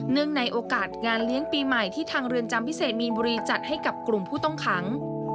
ในโอกาสงานเลี้ยงปีใหม่ที่ทางเรือนจำพิเศษมีนบุรีจัดให้กับกลุ่มผู้ต้องขัง